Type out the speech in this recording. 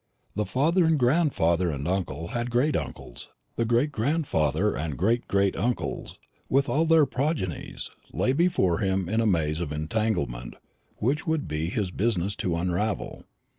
The father and grandfather and uncle and great uncles, the great grandfather and great great uncles, with all their progenies, lay before him in a maze of entanglement which it would be his business to unravel.